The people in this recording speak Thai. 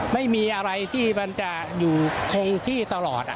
ไม่มีอะไรที่มันจะอยู่คงที่ตลอด